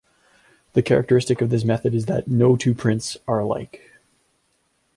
The characteristic of this method is that no two prints are alike.